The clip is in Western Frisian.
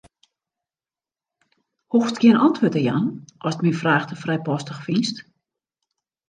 Hoechst gjin antwurd te jaan ast myn fraach te frijpostich fynst.